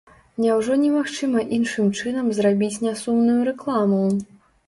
Няўжо немагчыма іншым чынам зрабіць нясумную рэкламу?